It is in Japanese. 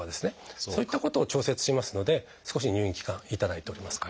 そういったことを調節しますので少し入院期間頂いております。